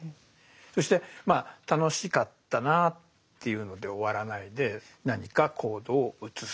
そしてまあ楽しかったなっていうので終わらないで何か行動を移す。